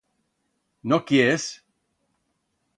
No quiers?